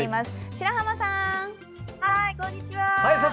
白浜さん！